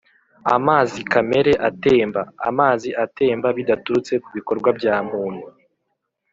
Amazi kamere atemba: amazi atemba bidaturutse ku bikorwa bya muntu;